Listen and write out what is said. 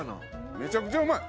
めちゃくちゃうまい！